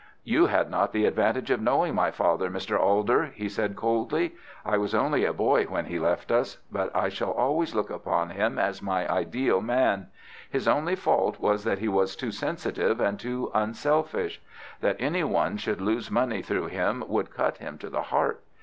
"You had not the advantage of knowing my father, Mr. Alder," he said, coldly. "I was only a boy when he left us, but I shall always look upon him as my ideal man. His only fault was that he was too sensitive and too unselfish. That any one should lose money through him would cut him to the heart.